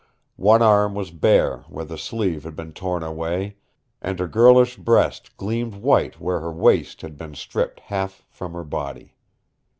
One arm was bare where the sleeve had been torn away, and her girlish breast gleamed white where her waist had been stripped half from her body.